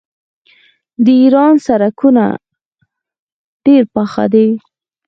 د ایران سړکونه ډیر پاخه دي.